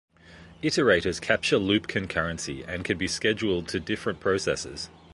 Iterators capture loop concurrency and can be scheduled to different processors.